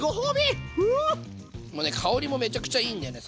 もうね香りもめちゃくちゃいいんだよね最高ですね。